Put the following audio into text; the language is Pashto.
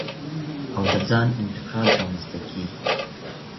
او د ځان انتقاد رامنځ ته کېږي.